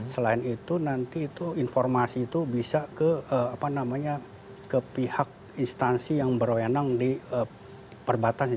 selain itu nanti itu informasi itu bisa ke pihak instansi yang berwenang di perbatasan